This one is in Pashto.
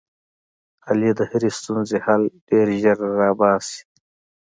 علي د هرې ستونزې حل ډېر زر را اوباسي.